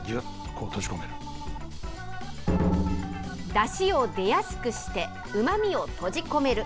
だしを出やすくしてうまみを閉じ込める。